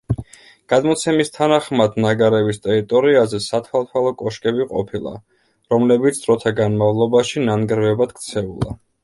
გადმოცემის თანახმად ნაგარევის ტერიტორიაზე სათვალთვალო კოშკები ყოფილა, რომლებიც დროთა განმავლობაში ნანგრევებად ქცეულა.